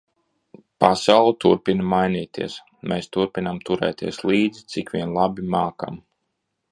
Pasaule turpina mainīties, mēs turpinām turēties līdzi, cik vien labi mākam.